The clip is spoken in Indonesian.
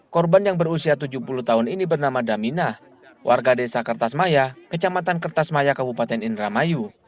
korban yang berusia tujuh puluh tahun ini bernama damina warga desa kertasmaya kecamatan kertasmaya kabupaten indramayu